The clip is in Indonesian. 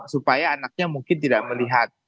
supaya anaknya mungkin tidak melihat